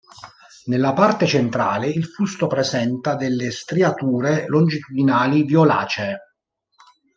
Nella parte centrale il fusto presenta delle striature longitudinali violacee.